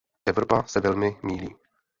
Evropa se velmi mýlí.